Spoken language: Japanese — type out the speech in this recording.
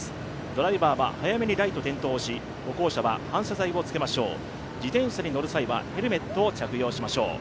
ドライバーは早めにライト点灯し、歩行者は反射材をつけましょう自転車に乗る際はヘルメットを着用しましょう。